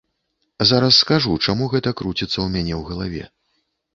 Зараз скажу, чаму гэта круціцца ў мяне ў галаве.